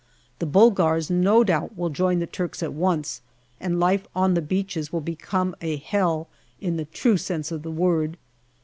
The Bulgars no doubt will join the Turks at once, and life on the beaches will become a hell in the true sense of the word.